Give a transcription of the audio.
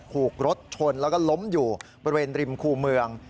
ถูกรถชนแล้วก็ล้มอยู่บริเวณริมคู่เมือง